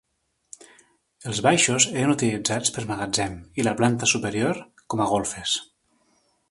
Els baixos eren utilitzats per magatzem i la planta superior com a golfes.